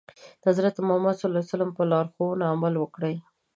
د حضرت محمد ص په لارښوونو عمل وکړي.